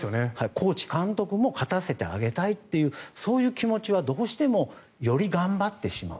コーチ、監督も勝たせてあげたいというそういう気持ちはどうしてもより頑張ってしまう。